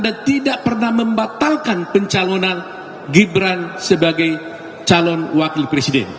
dan tidak pernah membatalkan pencalonan gibran sebagai calon wakil presiden